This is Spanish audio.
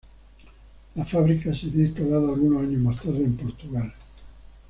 La fábrica sería instalada algunos años más tarde en Portugal.